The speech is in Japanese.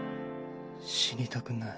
死にたくない。